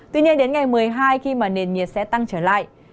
tuy nhiên đến ngày một mươi hai khi mà nền nhiệt sẽ tăng trở lại